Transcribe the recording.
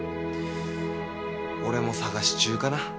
俺も探し中かな。